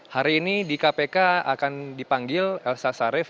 hari ini di kpk akan dipanggil elsa sarif